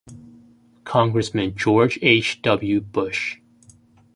Congressman George H. W. Bush.